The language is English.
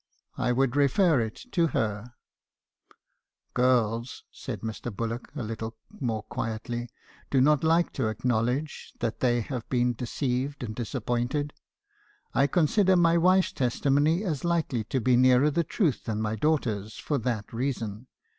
I would refer it to her. " 4 Girls,' said Mr. Bullock, a little more quietly, f do not like to acknowledge that they have been deceived and disappointed. I consider my wife's testimony as likely to be nearer the truth than my daughter's, for that reason.